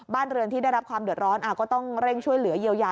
เรือนที่ได้รับความเดือดร้อนก็ต้องเร่งช่วยเหลือเยียวยา